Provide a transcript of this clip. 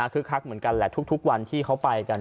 คือคักเหมือนกันแหละทุกวันที่เขาไปกัน